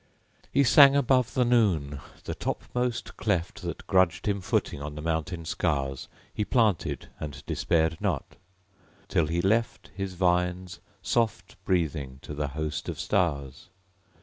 He sang above the noon. The topmost cleft That grudged him footing on the mountain scars He planted and despaired not; till he left His vines soft breathing to the host of stars.